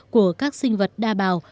của các sinh vật đa bào